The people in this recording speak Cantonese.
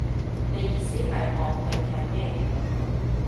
你意思係學定係咩